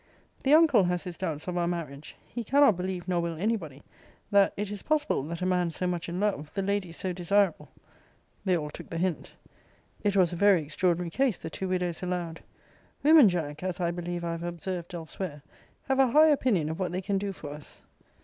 The uncle has his doubts of our marriage. He cannot believe, nor will any body, that it is possible that a man so much in love, the lady so desirable They all took the hint. It was a very extraordinary case, the two widows allowed. Women, Jack, [as I believe I have observed* elsewhere,] have a high opinion of what they can do for us.